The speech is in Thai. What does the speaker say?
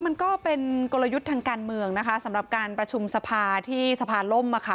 มันก็เป็นกลยุทธ์ทางการเมืองนะคะสำหรับการประชุมสภาที่สภาล่มอ่ะค่ะ